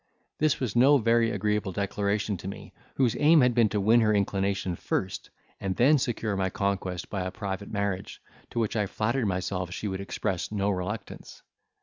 This was no very agreeable declaration to me, whose aim had been to win her inclination first, and then secure my conquest by a private marriage, to which I flattered myself she would express no reluctance.